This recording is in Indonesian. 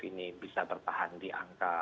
ini bisa bertahan di angka